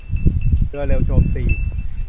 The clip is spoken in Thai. เรือเร็วโจมตี